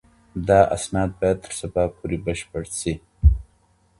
دا اسناد باید تر سبا پورې بشپړ شي.